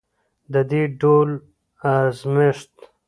د دې ډول ازمیښت